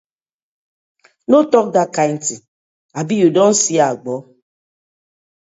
No tok dat kind tin, abi yu don see Agbor?